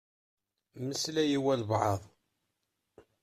Meslay i walebɛaḍ.